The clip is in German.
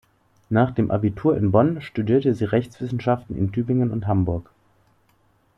Nach dem Abitur in Bonn studierte sie Rechtswissenschaften in Tübingen und Hamburg.